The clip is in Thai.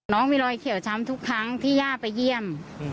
น้องมีรอยเขียวช้ำทุกครั้งที่ย่าไปเยี่ยม